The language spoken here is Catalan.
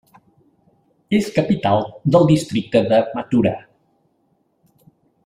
És capital del districte de Mathura.